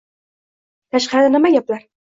Tashqarida nima gaplar